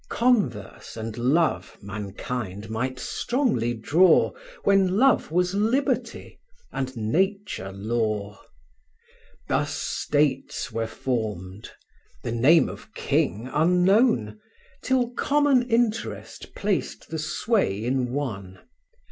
Converse and love mankind might strongly draw, When love was liberty, and Nature law. Thus States were formed; the name of king unknown, 'Till common interest placed the sway in one.